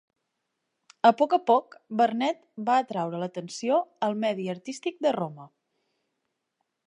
A poc a poc, Vernet va atreure l'atenció al medi artístic de Roma.